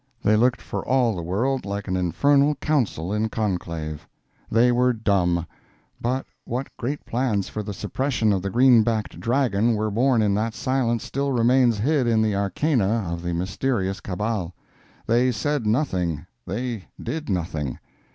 They looked for all the world like an infernal council in conclave. They were dumb; but what great plans for the suppression of the green backed dragon were born in that silence still remains hid in the arcana of the mysterious cabal. They said nothing, they did nothing.